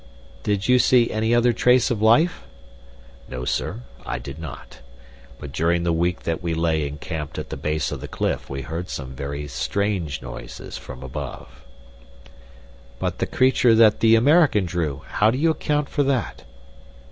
"Did you see any other trace of life?" "No, sir, I did not; but during the week that we lay encamped at the base of the cliff we heard some very strange noises from above." "But the creature that the American drew? How do you account for that?"